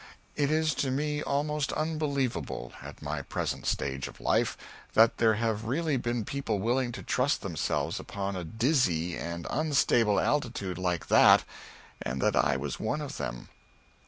It is to me almost unbelievable, at my present stage of life, that there have really been people willing to trust themselves upon a dizzy and unstable altitude like that, and that I was one of them.